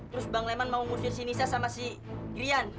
terus bang leman mau ngusir si nisa sama si grian